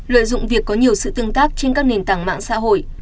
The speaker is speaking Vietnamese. lợi dụng việc có nhiều sự tương tác trên các nền tảng mạng xã hội